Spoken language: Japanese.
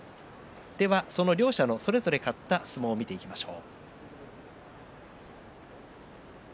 その両者のそれぞれ勝った相撲を見ていきましょう。